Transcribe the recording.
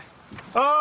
ああ！